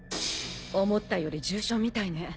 思ったより重傷みたいね。